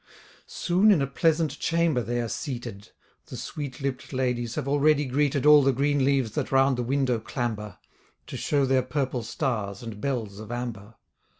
Soon in a pleasant chamber they are seated; The sweet lipp'd ladies have already greeted All the green leaves that round the window clamber, To show their purple stars, and bells of amber.